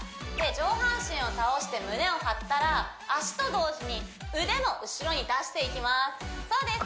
上半身を倒して胸を張ったら足と同時に腕も後ろに出していきますそうです